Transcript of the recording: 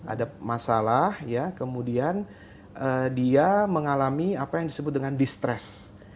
ada masalah ya kemudian dia mengalami apa yang disebut dengan distress